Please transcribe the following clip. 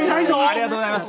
ありがとうございます。